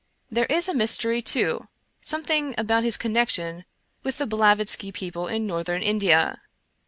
There is a mystery, too — something about his connection with the Blavatsky people in Northern India.